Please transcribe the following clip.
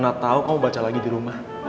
aku mau baca lagi di rumah